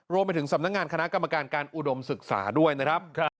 รวมไปถึงสำนักงานคณะกรรมการการอุดมศึกษาด้วยนะครับ